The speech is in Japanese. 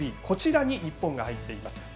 こちらに日本が入っています。